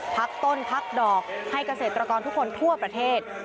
พักต้นพักดอกให้เกษตรกรทุกคนทั่วประเทศ